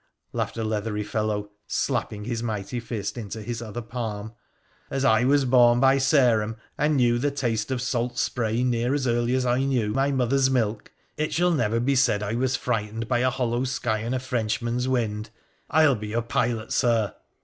laughed a leathery fellow, slapping his mighty fist into his other palm, ' as I was born by Sareham, and knew the taste of salt spray near as early as I knew my mother's milk, it shall never be said I was frightened by a hollow sky and a Frenchman's wind. I'll be your pilot, Sir.'